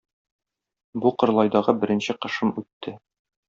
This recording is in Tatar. Бу Кырлайдагы беренче кышым үтте.